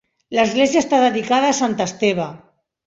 L'església està dedicada a sant Esteve.